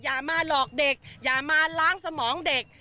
อย่ามาหลอกเด็กอย่ามาล้างสมองเด็ก